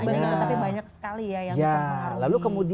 tapi banyak sekali ya yang bisa keharus